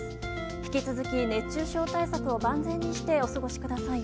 引き続き熱中症対策を万全にしてお過ごしください。